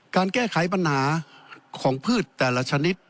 การแก้ไขปัญหาของพืชแต่ละชนิด